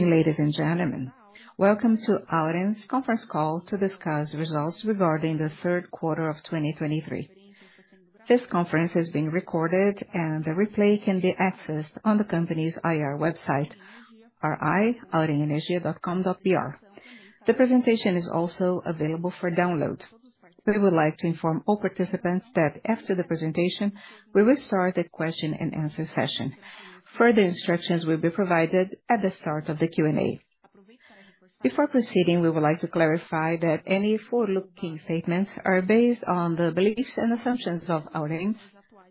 Good evening, ladies and gentlemen. Welcome to Auren's conference call to discuss results regarding the third quarter of 2023. This conference is being recorded, and the replay can be accessed on the company's IR website, ri.aurenenergia.com.br. The presentation is also available for download. We would like to inform all participants that after the presentation, we will start a question-and-answer session. Further instructions will be provided at the start of the Q&A. Before proceeding, we would like to clarify that any forward-looking statements are based on the beliefs and assumptions of Auren's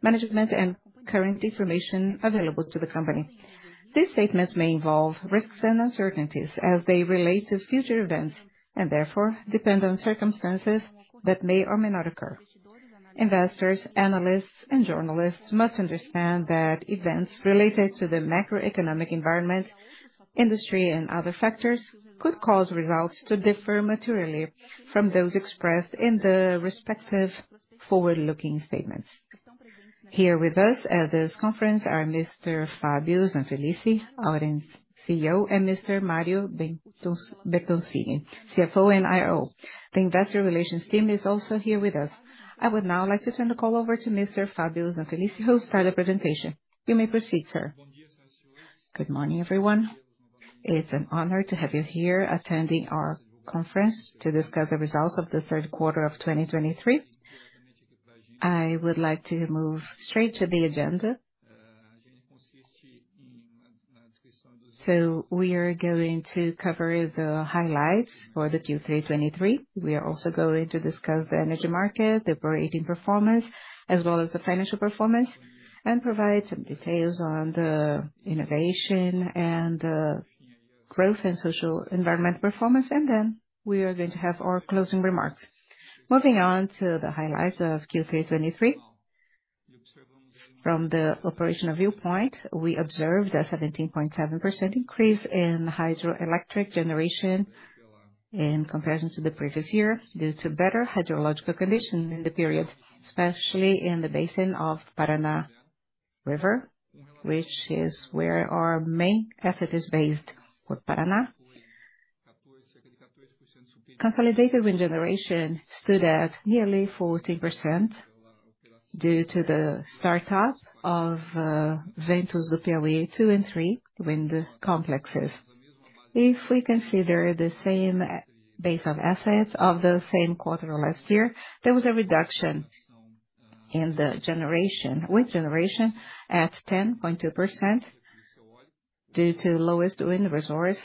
management and current information available to the company. These statements may involve risks and uncertainties as they relate to future events, and therefore depend on circumstances that may or may not occur. Investors, analysts, and journalists must understand that events related to the macroeconomic environment, industry, and other factors could cause results to differ materially from those expressed in the respective forward-looking statements. Here with us at this conference are Mr. Fabio Zanfelice, Auren's CEO, and Mr. Mario Bertoncini, CFO and IO. The investor relations team is also here with us. I would now like to turn the call over to Mr. Fabio Zanfelice, who'll start the presentation. You may proceed, sir. Good morning, everyone. It's an honor to have you here attending our conference to discuss the results of the third quarter of 2023. I would like to move straight to the agenda. So we are going to cover the highlights for the Q3 2023. We are also going to discuss the energy market, the operating performance, as well as the financial performance, and provide some details on the innovation and growth and social environment performance. And then we are going to have our closing remarks. Moving on to the highlights of Q3 2023. From the operational viewpoint, we observed a 17.7% increase in hydroelectric generation in comparison to the previous year, due to better hydrological conditions in the period, especially in the basin of Paraná River, which is where our main asset is based, with Paraná. Consolidated wind generation stood at nearly 40% due to the startup of Ventos do Piauí 2 and 3 wind complexes. If we consider the same base of assets of the same quarter last year, there was a reduction in the generation, wind generation, at 10.2% due to lowest wind resource,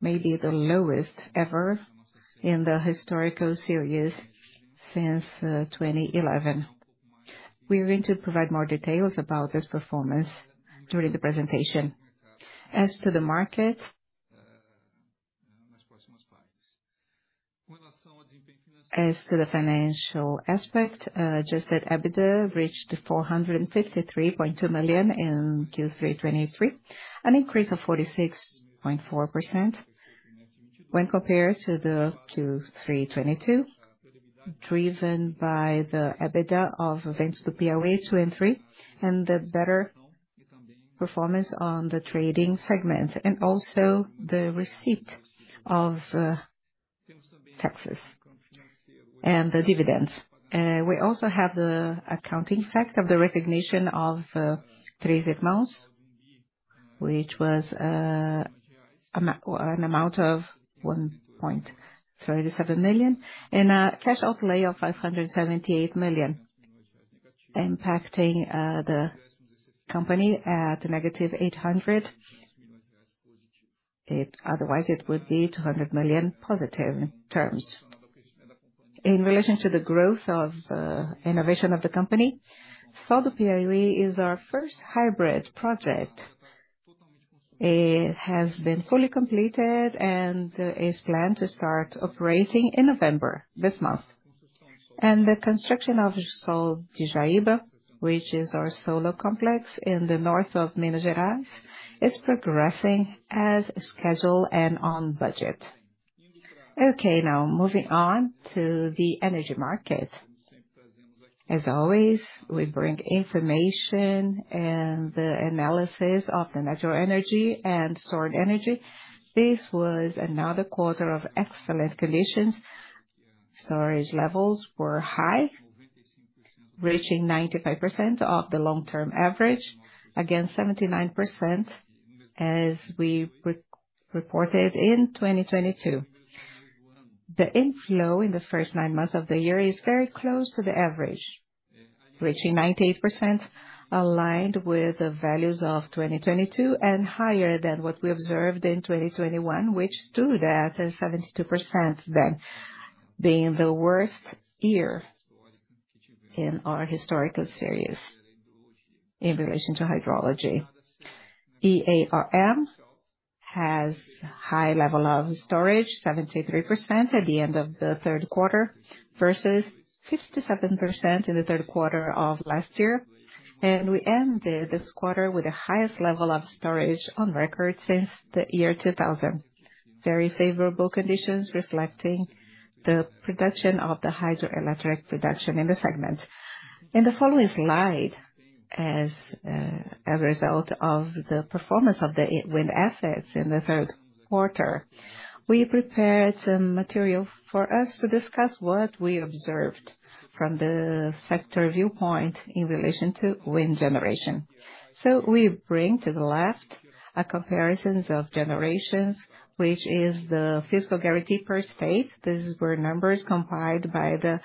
maybe the lowest ever in the historical series since 2011. We are going to provide more details about this performance during the presentation. As to the market, as to the financial aspect, adjusted EBITDA reached 453.2 million in Q3 2023, an increase of 46.4% when compared to the Q3 2022, driven by the EBITDA of Ventos do Piauí 2 and 3, and the better performance on the trading segment, and also the receipt of taxes and the dividends. We also have the accounting effect of the recognition of Três Irmãos, which was an amount of 1.37 billion, and cash outlay of 578 million, impacting the company at negative 800 million. It otherwise would be 200 million positive terms. In relation to the growth of innovation of the company, Sol do Piauí is our first hybrid project. It has been fully completed and is planned to start operating in November, this month. The construction of Sol de Jaíba, which is our solar complex in the north of Minas Gerais, is progressing as scheduled and on budget. Okay, now moving on to the energy market. As always, we bring information and the analysis of the natural energy and stored energy. This was another quarter of excellent conditions. Storage levels were high, reaching 95% of the long-term average, against 79%, as we reported in 2022. The inflow in the first nine months of the year is very close to the average, reaching 98%, aligned with the values of 2022, and higher than what we observed in 2021, which stood at 72% then, being the worst year in our historical series in relation to hydrology. EARM has high level of storage, 73% at the end of the third quarter, versus 57% in the third quarter of last year. We ended this quarter with the highest level of storage on record since the year 2000. Very favorable conditions, reflecting the production of the hydroelectric production in the segment. In the following slide, as a result of the performance of the wind assets in the third quarter, we prepared some material for us to discuss what we observed from the sector viewpoint in relation to wind generation. We bring to the left a comparison of generations, which is the physical guarantee per state. This is where numbers compiled by the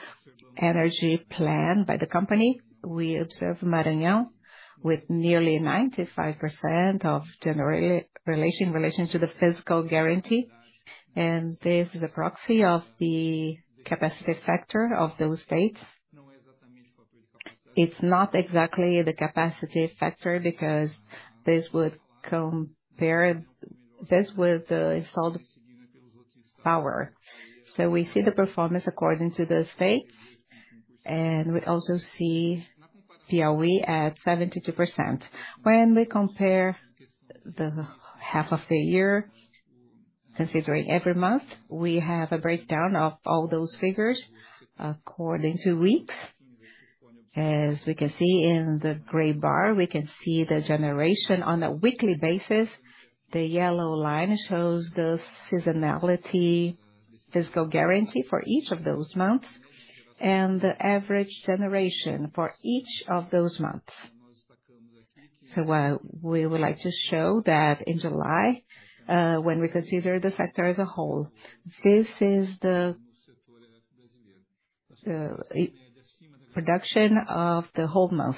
energy plan, by the company. We observe Maranhão, with nearly 95% of generation in relation to the physical guarantee, and this is a proxy of the capacity factor of those states. It's not exactly the capacity factor, because this would compare this with the installed power. We see the performance according to the states, and we also see Piauí at 72%. When we compare the half of the year, considering every month, we have a breakdown of all those figures according to weeks. As we can see in the gray bar, we can see the generation on a weekly basis. The yellow line shows the seasonality Physical Guarantee for each of those months, and the average generation for each of those months. So what we would like to show that in July, when we consider the sector as a whole, this is the production of the whole month,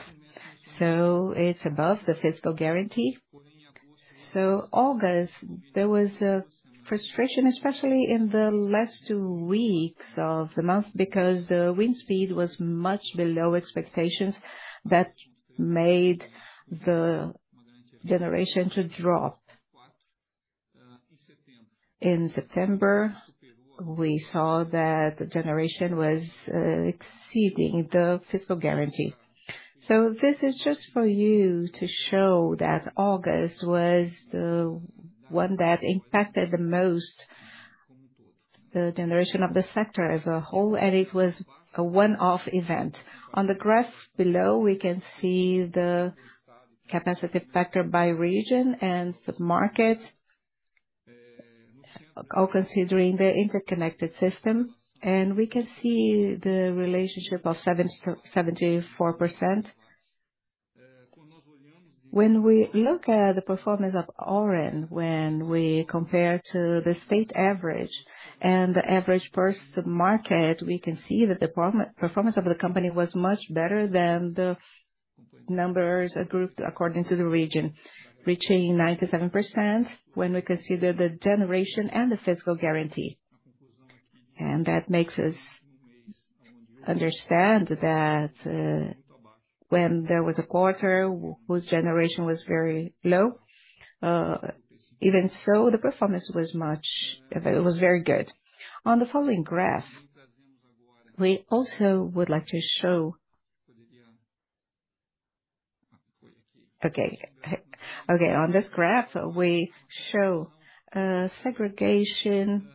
so it's above the Physical Guarantee. So August, there was a frustration, especially in the last two weeks of the month, because the wind speed was much below expectations that made the generation to drop. In September, we saw that the generation was exceeding the Physical Guarantee. So this is just for you to show that August was the one that impacted the most, the generation of the sector as a whole, and it was a one-off event. On the graph below, we can see the capacity factor by region and sub-market, all considering the interconnected system, and we can see the relationship of 77%. When we look at the performance of Auren, when we compare to the state average and the average per sub-market, we can see that the performance of the company was much better than the numbers are grouped according to the region, reaching 97% when we consider the generation and the physical guarantee. That makes us understand that, when there was a quarter whose generation was very low, even so, the performance was much. It was very good. On the following graph, we also would like to show. Okay, okay on this graph, we show, segregation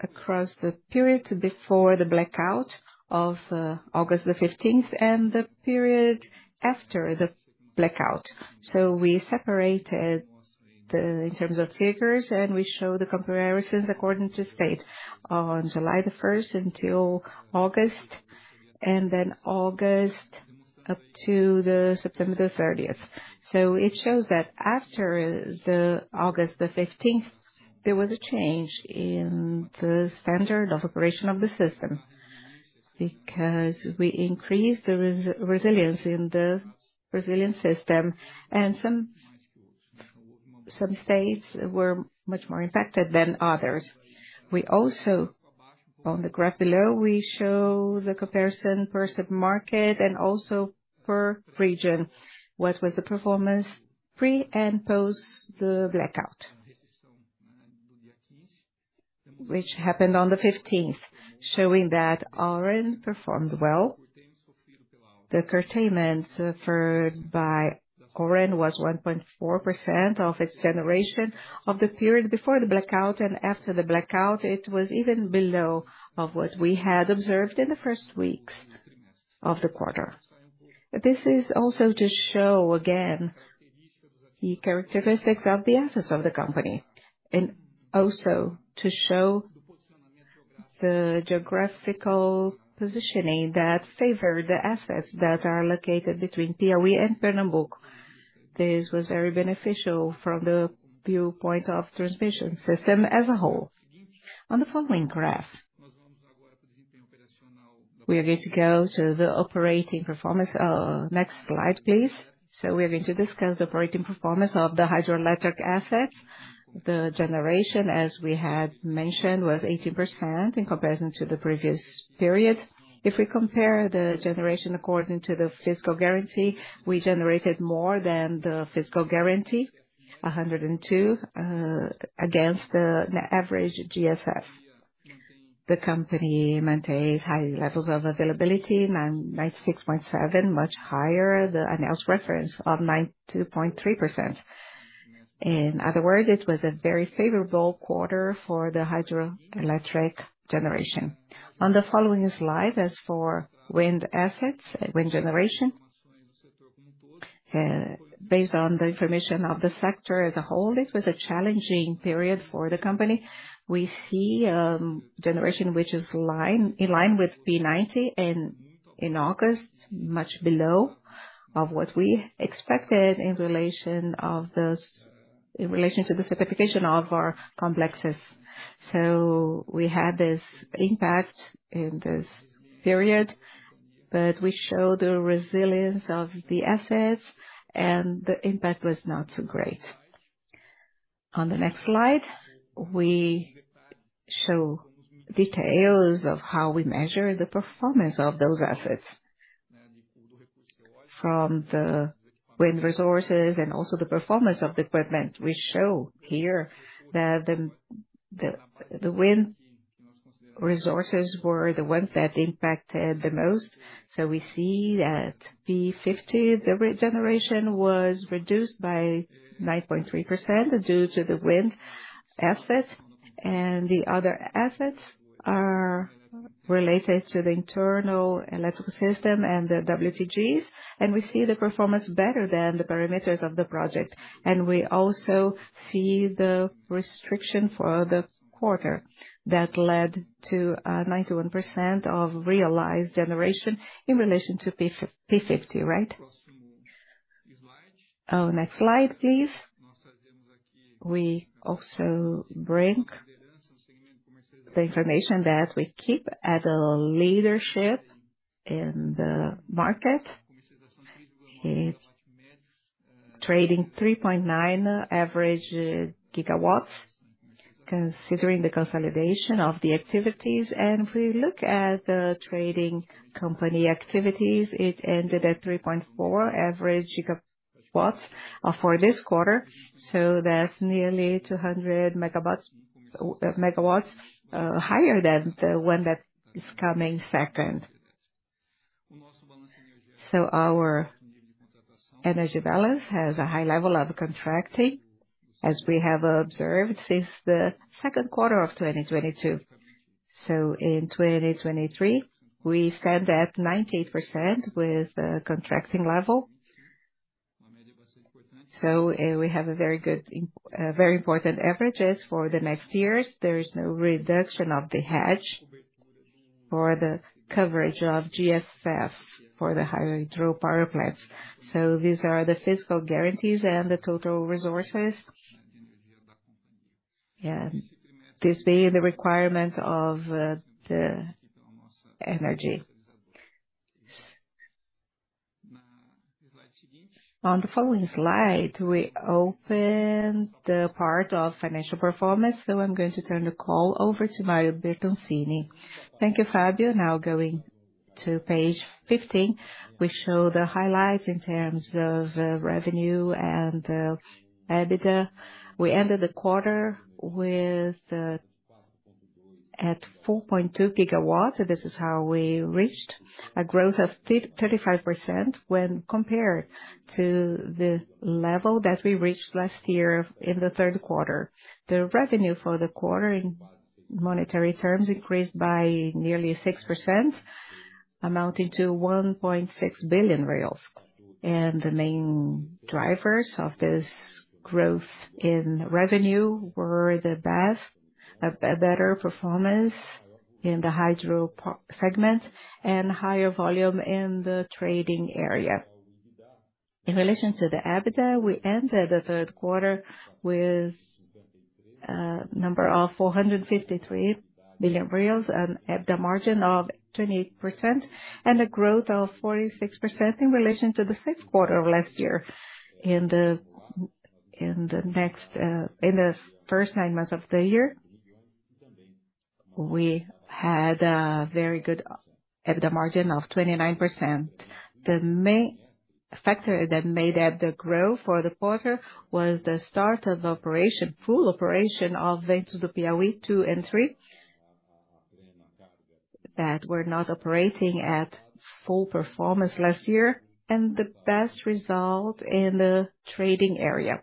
across the period before the blackout of August the 15th, and the period after the blackout. So we separated the, in terms of figures, and we show the comparisons according to state on July the first until August, and then August up to the September 30th. So it shows that after the August 15th, there was a change in the standard of operation of the system, because we increased the resilience in the resilience system, and some, some states were much more impacted than others. We also, on the graph below, we show the comparison per sub-market and also per region. What was the performance pre and post the blackout, which happened on the 15th, showing that Auren performed well. The curtailment suffered by Auren was 1.4% of its generation of the period before the blackout, and after the blackout, it was even below of what we had observed in the first weeks of the quarter. This is also to show, again, the characteristics of the assets of the company, and also to show the geographical positioning that favor the assets that are located between Piauí and Pernambuco. This was very beneficial from the viewpoint of transmission system as a whole. On the following graph, we are going to go to the operating performance. Next slide, please. So we are going to discuss the operating performance of the hydroelectric assets. The generation, as we had mentioned, was 80% in comparison to the previous period. If we compare the generation according to the physical guarantee, we generated more than the physical guarantee, 102, against the average GSF. The company maintains high levels of availability, 96.7%, much higher the announced reference of 92.3%. In other words, it was a very favorable quarter for the hydroelectric generation. On the following slide, as for wind assets, wind generation, based on the information of the sector as a whole, it was a challenging period for the company. We see, generation, which is in line with P90, and in August, much below of what we expected in relation of this, in relation to the certification of our complexes. So we had this impact in this period, but we show the resilience of the assets, and the impact was not so great. On the next slide, we show details of how we measure the performance of those assets. From the wind resources and also the performance of the equipment, we show here that the wind resources were the ones that impacted the most. So we see that P50, the generation was reduced by 9.3% due to the wind assets, and the other assets are related to the internal electrical system and the WTGs, and we see the performance better than the parameters of the project. And we also see the restriction for the quarter that led to 91% of realized generation in relation to P50, right? Oh, next slide, please. We also bring the information that we keep at a leadership in the market. It's trading 3.9 average gigawatts, considering the consolidation of the activities. And if we look at the trading company activities, it ended at 3.4 average gigawatts for this quarter, so that's nearly 200 MW higher than the one that is coming second. So our energy balance has a high level of contracting, as we have observed since the second quarter of 2022. So in 2023, we stand at 98% with the contracting level. So, we have a very good, very important averages for the next years. There is no reduction of the hedge for the coverage of GSF for the hydro power plants. So these are the physical guarantees and the total resources. And this be the requirement of, the energy. On the following slide, we open the part of financial performance, so I'm going to turn the call over to Mario Bertoncini. Thank you, Fabio. Now going to page 15, we show the highlights in terms of revenue and EBITDA. We ended the quarter with at 4.2 GW, so this is how we reached a growth of 35% when compared to the level that we reached last year in the third quarter. The revenue for the quarter, in monetary terms, increased by nearly 6%, amounting to 1.6 billion reais. The main drivers of this growth in revenue were the better performance in the hydro segment and higher volume in the trading area. In relation to the EBITDA, we ended the third quarter with a number of 453 billion reais and EBITDA margin of 28%, and a growth of 46% in relation to the sixth quarter of last year. In the first nine months of the year, we had a very good EBITDA margin of 29%. The main factor that made EBITDA grow for the quarter was the start of operation, full operation of Ventos do Piauí 2 and 3, that were not operating at full performance last year, and the best result in the trading area.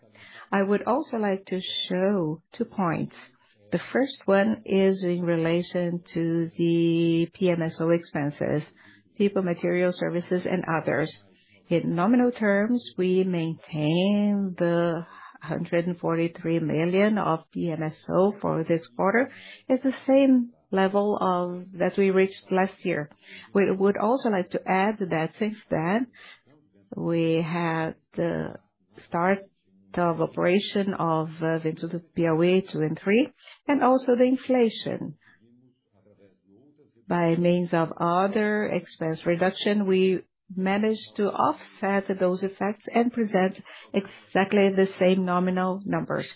I would also like to show two points. The first one is in relation to the PMSO expenses, People, Material, Services, and Others. In nominal terms, we maintained 143 million of PMSO for this quarter. It's the same level of that we reached last year. We would also like to add that since then, we had the start of operation of Ventos do Piauí 2 and 3, and also the inflation. By means of other expense reduction, we managed to offset those effects and present exactly the same nominal numbers.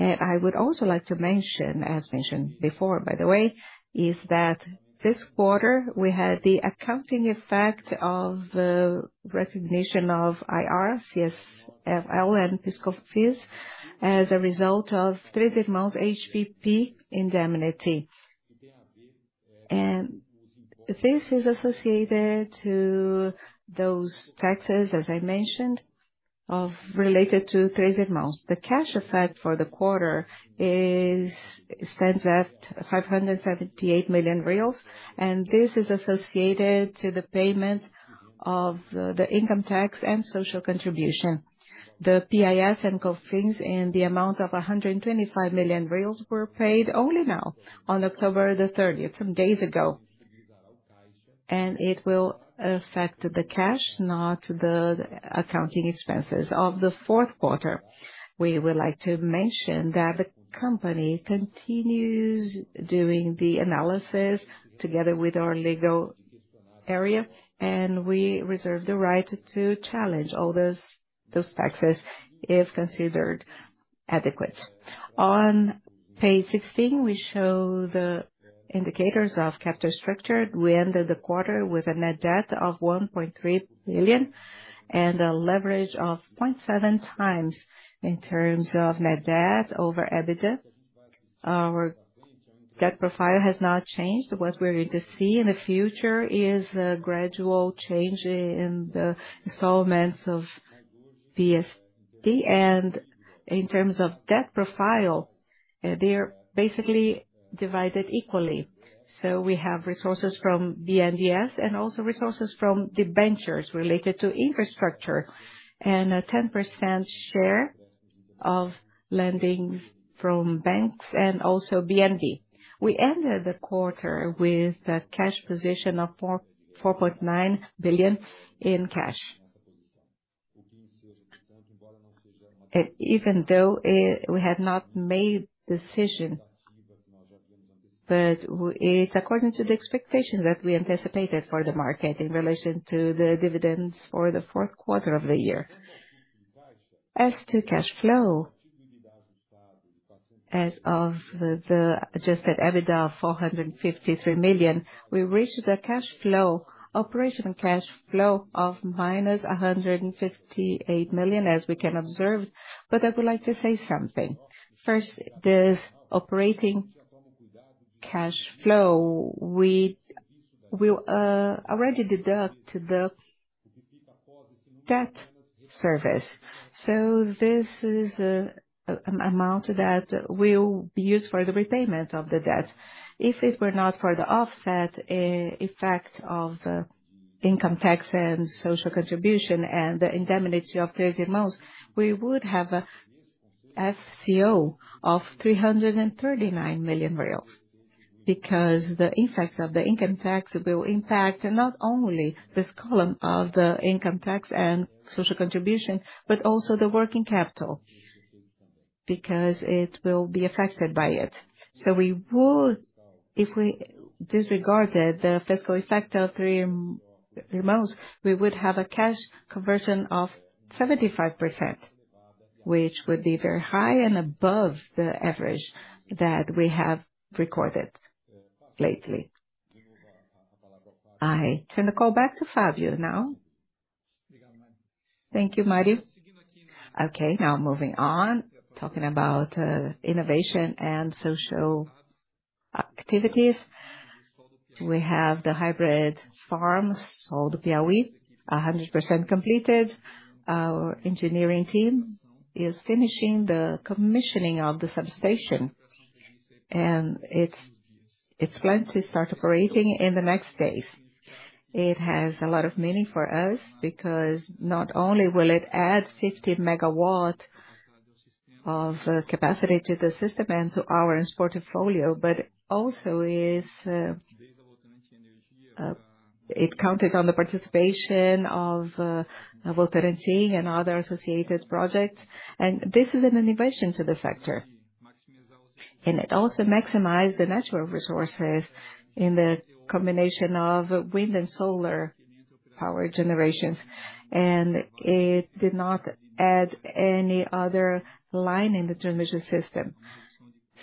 I would also like to mention, as mentioned before, by the way, is that this quarter, we had the accounting effect of the recognition of IR, CSLL and fiscal fees as a result of Três Irmãos HPP indemnity. And this is associated to those taxes, as I mentioned, of related to Três Irmãos. The cash effect for the quarter is, stands at 578 million reais, and this is associated to the payment of, the income tax and social contribution. The PIS and COFINS, in the amount of BRL 125 million, were paid only now, on October 30, some days ago. And it will affect the cash, not the accounting expenses of the fourth quarter. We would like to mention that the company continues doing the analysis together with our legal area, and we reserve the right to challenge all those taxes, if considered adequate. On page 16, we show the indicators of capital structure. We ended the quarter with a net debt of 1.3 billion and a leverage of 0.7x in terms of net debt over EBITDA. Our debt profile has not changed. What we're going to see in the future is a gradual change in the installments of PSD. And in terms of debt profile, they're basically divided equally. So we have resources from BNDES, and also resources from debentures related to infrastructure, and a 10% share of lending from banks and also BN. We ended the quarter with a cash position of 444.9 billion in cash. Even though we have not made decision, but it's according to the expectations that we anticipated for the market in relation to the dividends for the fourth quarter of the year. As to cash flow, as of the adjusted EBITDA of 453 million, we reached a cash flow, operational cash flow of -158 million, as we can observe. But I would like to say something. First, this operating cash flow, we will already deduct the debt service. So this is an amount that will be used for the repayment of the debt. If it were not for the offset effect of income tax and social contribution and the indemnity of Três Irmãos,, we would have a FCO of 339 million reais. Because the effects of the income tax will impact not only this column of the income tax and social contribution, but also the working capital, because it will be affected by it. So we would, if we disregarded the fiscal effect of Três Irmãos, we would have a cash conversion of 75%, which would be very high and above the average that we have recorded lately. I turn the call back to Fabio now. Thank you, Mario. Okay, now moving on. Talking about innovation and social activities. We have the hybrid farms, or the Piauí, 100% completed. Our engineering team is finishing the commissioning of the substation, and it's planned to start operating in the next days. It has a lot of meaning for us, because not only will it add 50 MW of capacity to the system and to our portfolio, but also is it counted on the participation of Votorantim and other associated projects. This is an innovation to the sector. It also maximize the natural resources in the combination of wind and solar power generations, and it did not add any other line in the transmission system.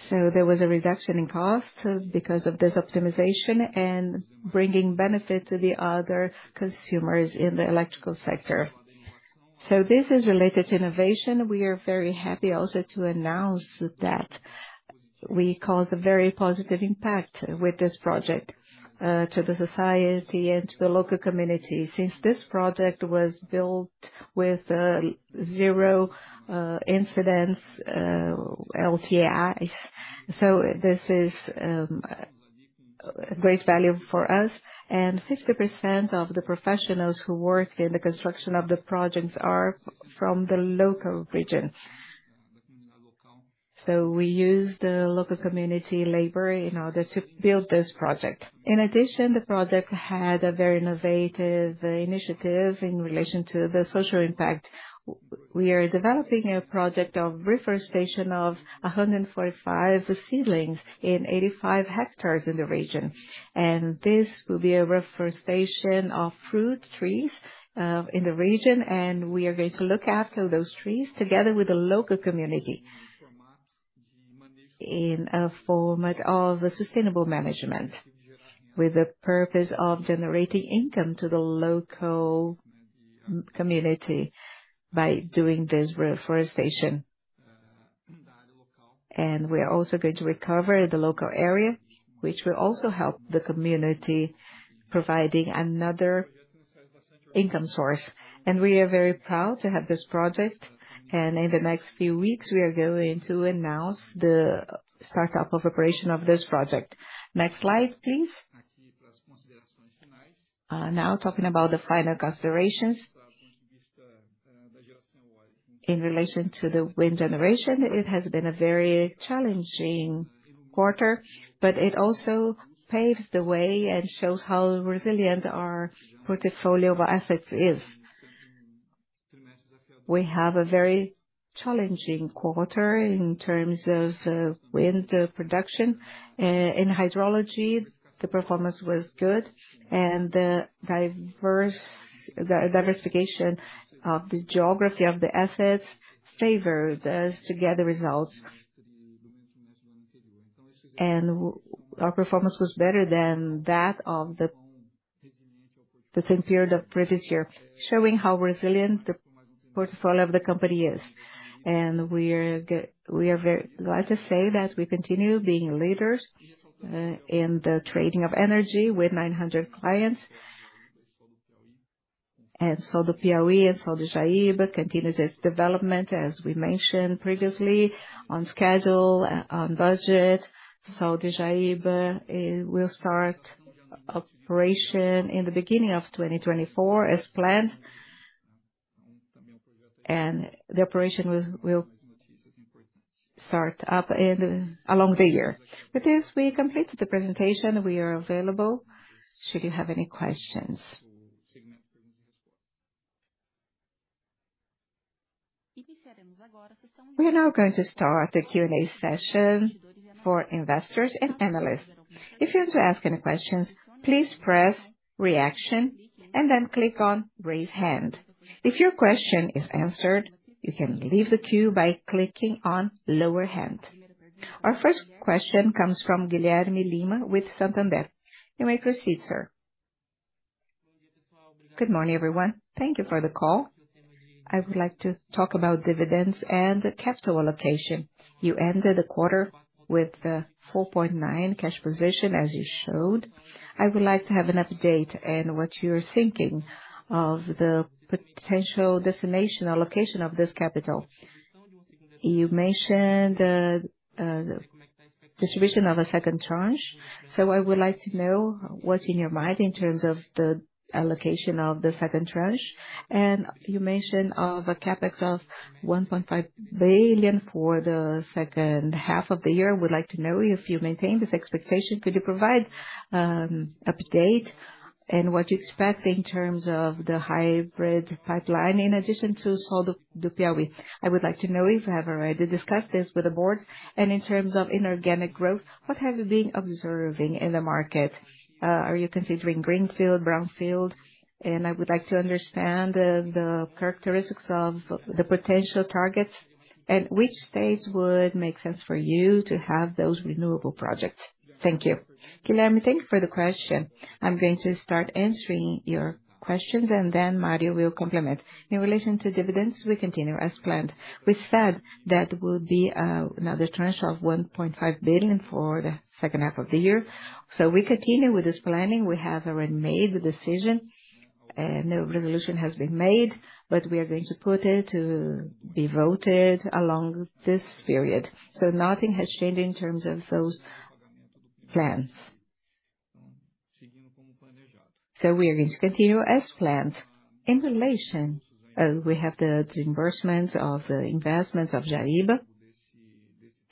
So there was a reduction in cost because of this optimization and bringing benefit to the other consumers in the electrical sector. This is related to innovation. We are very happy also to announce that we caused a very positive impact with this project to the society and to the local community, since this project was built with 0 incidents, LTIs. So this is a great value for us. 60% of the professionals who work in the construction of the projects are from the local regions. We use the local community labor in order to build this project. In addition, the project had a very innovative initiative in relation to the social impact. We are developing a project of reforestation of 145,000 seedlings in 85 hectares in the region. This will be a reforestation of fruit trees in the region, and we are going to look after those trees together with the local community, in a format of a sustainable management, with the purpose of generating income to the local community by doing this reforestation. We are also going to recover the local area, which will also help the community, providing another income source. We are very proud to have this project, and in the next few weeks, we are going to announce the startup of operation of this project. Next slide, please. Now talking about the final considerations. In relation to the wind generation, it has been a very challenging quarter, but it also paved the way and shows how resilient our portfolio of assets is. We have a very challenging quarter in terms of wind production. In hydrology, the performance was good, and the diversification of the geography of the assets favored the together results. And our performance was better than that of the same period of previous year, showing how resilient the portfolio of the company is. And we are very glad to say that we continue being leaders in the trading of energy with 900 clients. The Piauí and Sol de Jaíba continues its development, as we mentioned previously, on schedule, on budget. Sol de Jaíba will start operation in the beginning of 2024 as planned. The operation will start up along the year. With this, we completed the presentation. We are available, should you have any questions. We are now going to start the Q&A session for investors and analysts. If you want to ask any questions, please press Reaction and then click on Raise Hand. If your question is answered, you can leave the queue by clicking on Lower Hand. Our first question comes from Guilherme Lima with Santander. You may proceed, sir. Good morning, everyone. Thank you for the call. I would like to talk about dividends and capital allocation. You ended the quarter with 4.9 cash position, as you showed. I would like to have an update on what you're thinking of the potential destination or location of this capital. You mentioned distribution of a second tranche, so I would like to know what's in your mind in terms of the allocation of the second tranche. You mentioned of a CapEx of 1.5 billion for the second half of the year. I would like to know if you maintain this expectation. Could you provide update and what you expect in terms of the hybrid pipeline, in addition to Sol do Piauí? I would like to know if you have already discussed this with the board. In terms of inorganic growth, what have you been observing in the market? Are you considering greenfield, brownfield? I would like to understand the characteristics of the potential targets and which states would make sense for you to have those renewable projects. Thank you. Guilherme, thank you for the question. I'm going to start answering your questions, and then Mario will complement. In relation to dividends, we continue as planned. We said that there will be another tranche of 1.5 billion for the second half of the year, so we continue with this planning. We have already made the decision, and no resolution has been made, but we are going to put it to be voted along this period. So nothing has changed in terms of those plans. So we are going to continue as planned. In relation, we have the disbursements of the investments of Jaíba,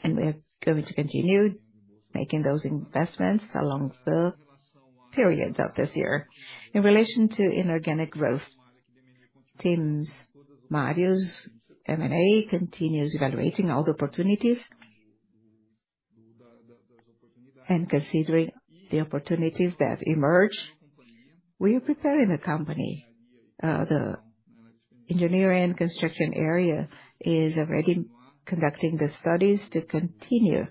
and we are going to continue making those investments along the periods of this year. In relation to inorganic growth, teams, Mario's M&A continues evaluating all the opportunities. Considering the opportunities that emerge, we are preparing the company. The engineering and construction area is already conducting the studies to continue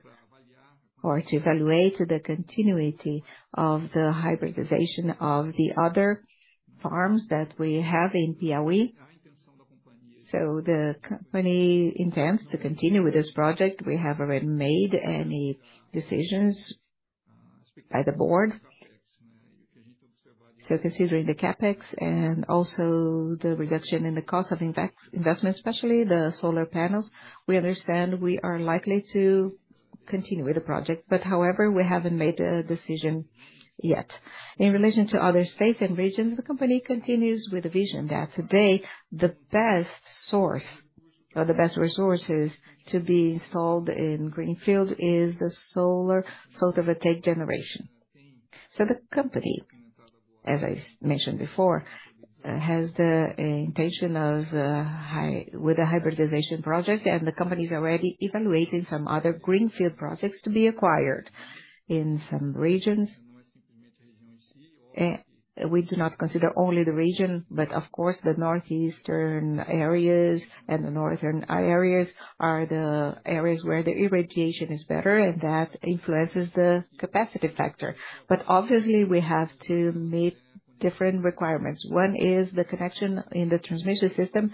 or to evaluate the continuity of the hybridization of the other farms that we have in Piauí. The company intends to continue with this project. We have already made any decisions by the board. Considering the CapEx and also the reduction in the cost of investment, especially the solar panels, we understand we are likely to continue with the project. But however, we haven't made a decision yet. In relation to other states and regions, the company continues with the vision that today, the best source or the best resources to be installed in greenfield is the solar photovoltaic generation. So the company, as I mentioned before, has the intention of with the hybridization project, and the company is already evaluating some other greenfield projects to be acquired in some regions. We do not consider only the region, but of course, the northeastern areas and the northern areas are the areas where the irradiation is better, and that influences the capacity factor. But obviously, we have to meet different requirements. One is the connection in the transmission system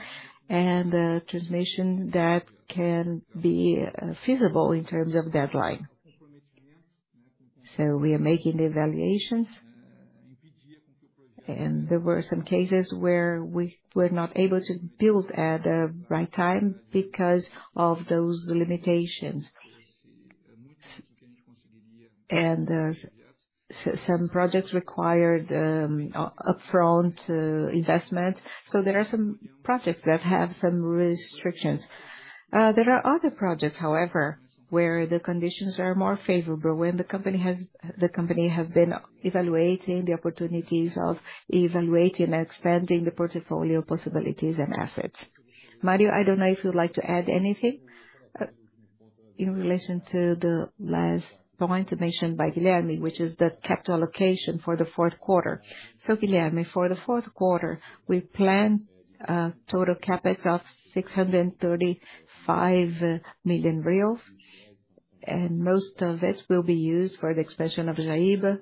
and the transmission that can be feasible in terms of deadline. So we are making the evaluations, and there were some cases where we were not able to build at the right time because of those limitations. And some projects required upfront investment. So there are some projects that have some restrictions. There are other projects, however, where the conditions are more favorable when the company has been evaluating the opportunities of evaluating and expanding the portfolio possibilities and assets. Mario, I don't know if you'd like to add anything in relation to the last point mentioned by Guilherme, which is the capital allocation for the fourth quarter. So, Guilherme, for the fourth quarter, we plan total CapEx of 635 million reais, and most of it will be used for the expansion of Jaíba.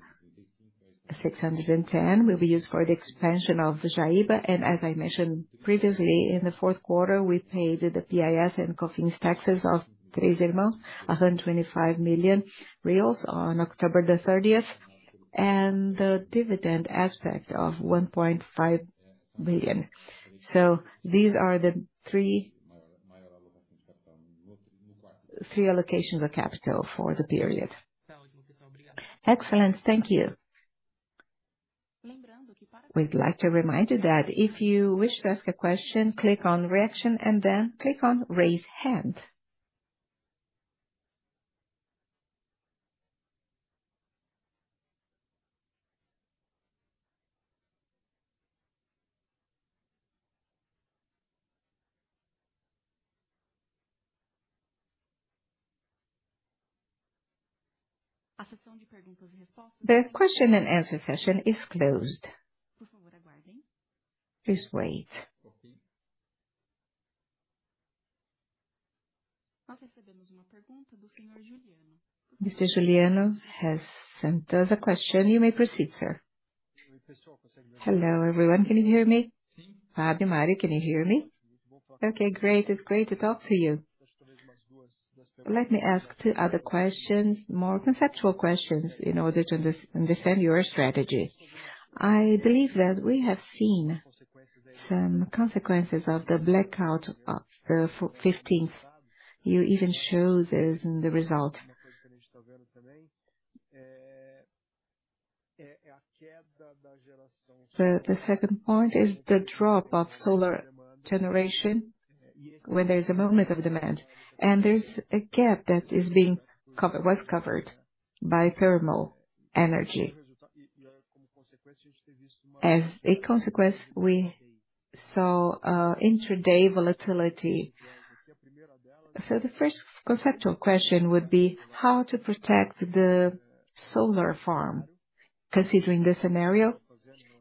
610 million will be used for the expansion of Jaíba, and as I mentioned previously, in the fourth quarter, we paid the PIS and COFINS taxes of Três Irmãos, 125 million on October the thirtieth, and the dividend aspect of 1.5 billion. So these are the three allocations of capital for the period. Excellent. Thank you. We'd like to remind you that if you wish to ask a question, click on Reaction, and then click on Raise Hand. The question and answer session is closed. Please wait. Mr. Juliano has sent us a question. You may proceed, sir. Hello, everyone. Can you hear me? Fabio, Mario, can you hear me? Okay, great. It's great to talk to you. Let me ask two other questions, more conceptual questions, in order to understand your strategy. I believe that we have seen some consequences of the blackout of fifteenth. You even show this in the result. The second point is the drop of solar generation when there is a moment of demand, and there's a gap that was covered by thermal energy. As a consequence, we saw intraday volatility. So the first conceptual question would be, how to protect the solar farm, considering this scenario,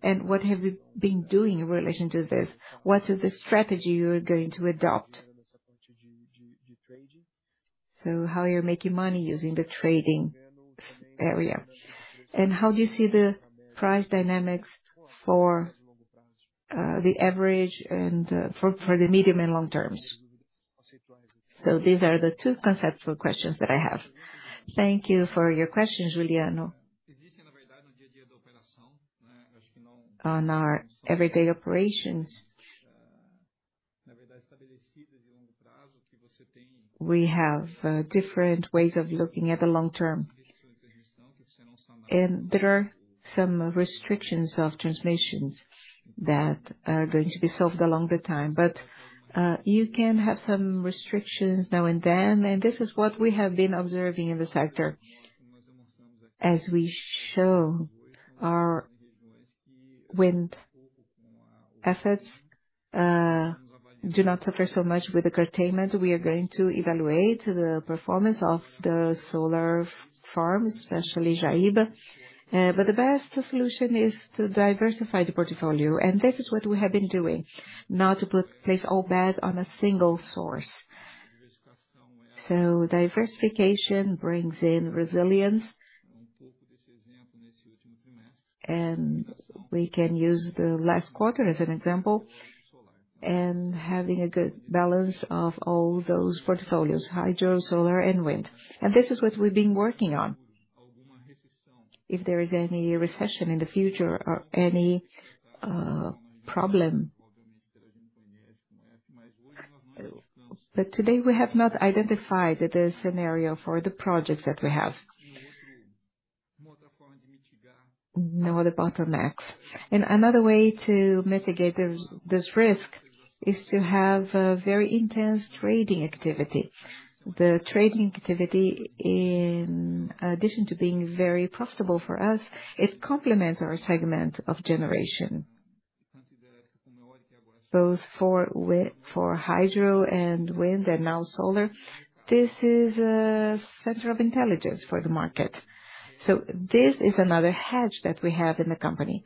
and what have you been doing in relation to this? What is the strategy you are going to adopt? So how are you making money using the trading area, and how do you see the price dynamics for the average and for the medium and long terms? So these are the two conceptual questions that I have. Thank you for your questions, Juliano. On our everyday operations, we have different ways of looking at the long term, and there are some restrictions of transmissions that are going to be solved along the time. But you can have some restrictions now and then, and this is what we have been observing in the sector. As we show, our wind assets do not suffer so much with the curtailment. We are going to evaluate the performance of the solar farms, especially Jaíba. But the best solution is to diversify the portfolio, and this is what we have been doing, not to place all bets on a single source. So diversification brings in resilience, and we can use the last quarter as an example, and having a good balance of all those portfolios: hydro, solar, and wind. And this is what we've been working on. If there is any recession in the future or any problem. But today, we have not identified the scenario for the projects that we have. No other bottlenecks. And another way to mitigate this, this risk is to have a very intense trading activity. The trading activity, in addition to being very profitable for us, it complements our segment of generation. Both for hydro and wind, and now solar, this is a center of intelligence for the market. So this is another hedge that we have in the company,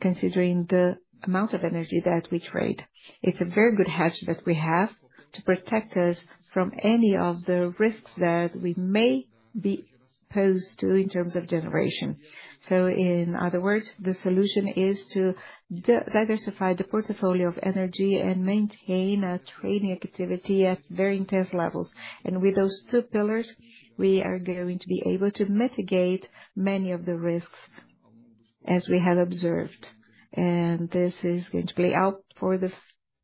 considering the amount of energy that we trade. It's a very good hedge that we have to protect us from any of the risks that we may be posed to in terms of generation. So in other words, the solution is to diversify the portfolio of energy and maintain a trading activity at very intense levels. And with those two pillars, we are going to be able to mitigate many of the risks as we have observed, and this is going to play out for the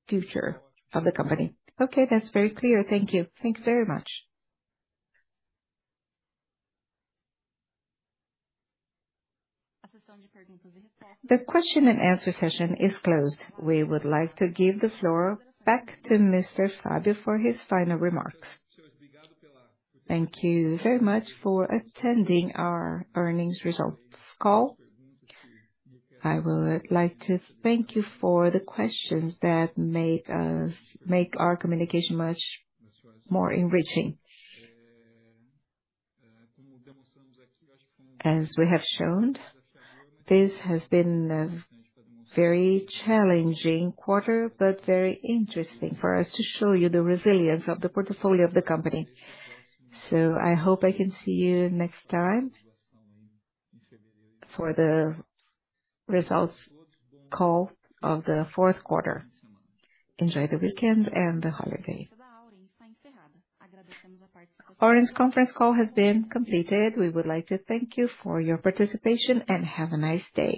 future of the company. Okay, that's very clear. Thank you. Thanks very much. The question and answer session is closed. We would like to give the floor back to Mr. Fabio for his final remarks. Thank you very much for attending our earnings results call. I would like to thank you for the questions that made us make our communication much more enriching. As we have shown, this has been a very challenging quarter, but very interesting for us to show you the resilience of the portfolio of the company. So I hope I can see you next time for the results call of the fourth quarter. Enjoy the weekend and the holiday. Auren conference call has been completed. We would like to thank you for your participation, and have a nice day.